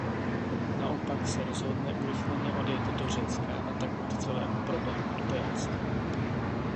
Naopak se rozhodne urychleně odjet do Řecka a tak od celého problému utéct.